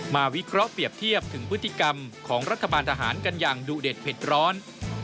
วิเคราะห์เปรียบเทียบถึงพฤติกรรมของรัฐบาลทหารกันอย่างดูเด็ดเผ็ดร้อน